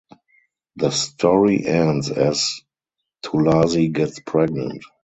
The story ends as Tulasi gets pregnant.